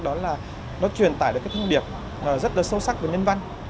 đó là nó truyền tải được cái thông điệp rất là sâu sắc về nhân văn